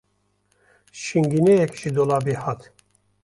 Şingîniyek ji dolabê hat.